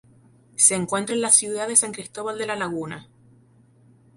Se encuentra en la ciudad de San Cristóbal de La Laguna.